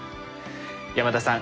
山田さん